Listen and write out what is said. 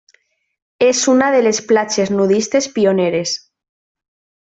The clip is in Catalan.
És una de les platges nudistes pioneres.